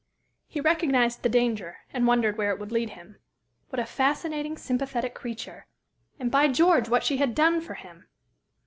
He recognized the danger, and wondered where it would lead him. What a fascinating, sympathetic creature! and, by George! what she had done for him!